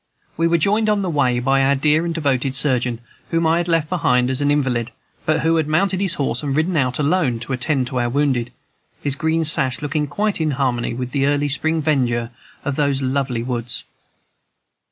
We were joined on the way by our dear and devoted surgeon, whom I had left behind as an invalid, but who had mounted his horse and ridden out alone to attend to our wounded, his green sash looking quite in harmony with the early spring verdure of those lovely woods.